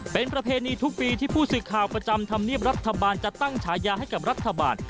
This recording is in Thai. เป็นประเพณีทุกปีที่ผู้สื่อข่าวประจำธรรมเนียบรัฐบาลจะตั้งฉายาให้กับรัฐบาล